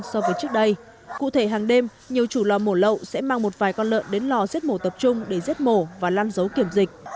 so với trước đây cụ thể hàng đêm nhiều chủ lò mổ lậu sẽ mang một vài con lợn đến lò giết mổ tập trung để giết mổ và lan dấu kiểm dịch